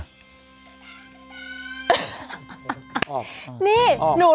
น่ารักนิสัยดีมาก